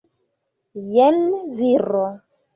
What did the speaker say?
Jen viro!